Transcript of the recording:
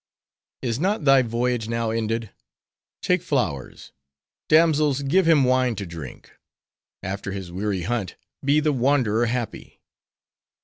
"Is not thy voyage now ended?—Take flowers! Damsels, give him wine to drink. After his weary hunt, be the wanderer happy."